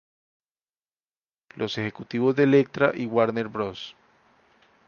Los ejecutivos de Elektra y Warner Bros.